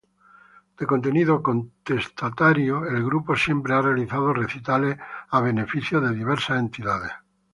De contenido contestatario, el grupo siempre ha realizado recitales a beneficio de diversas entidades.